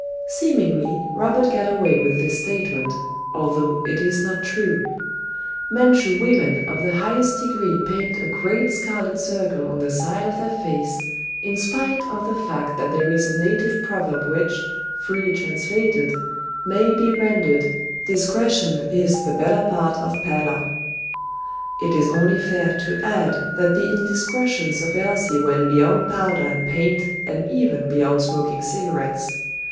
Seemingly, Robert got away with this statement, although it is not true. Manchu women of the highest degree paint a great scarlet circle on the side of their face in spite of the fact that there is a native proverb which, freely translated, may be rendered, "Discretion is the better part of pallor." It is only fair to add that the indiscretions of Elsie went beyond powder and paint and even beyond smoking cigarettes.